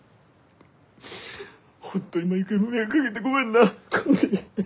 本当に毎回迷惑かげてごめんな耕治。